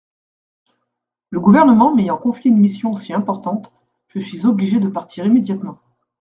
Le gouvernement m'ayant confié une mission aussi importante, je suis obligé de partir immédiatement.